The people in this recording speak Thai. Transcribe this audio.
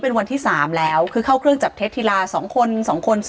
เป็นวันที่๓แล้วคือเข้าเครื่องจับเท็จทีละ๒คน๒คน๒